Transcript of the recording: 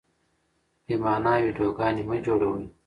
بې مانا ويډيوګانې مه جوړوئ.